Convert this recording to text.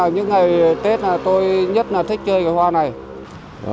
những ngày tết tôi nhất là thích làm hoa lan